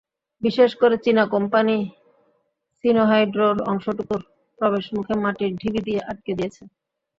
বিশেষ করে চীনা কোম্পানি সিনোহাইড্রোর অংশটুকুর প্রবেশমুখে মাটির ঢিবি দিয়ে আটকে দিয়েছে।